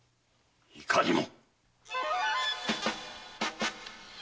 いかにも！